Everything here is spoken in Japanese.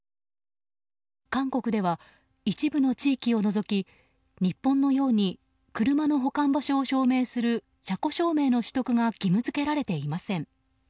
韓国では、一部の地域を除き日本のように車の保管場所を証明する車庫証明の取得が義務付けられていません。